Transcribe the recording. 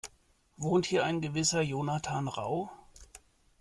Wohnt hier ein gewisser Jonathan Rau?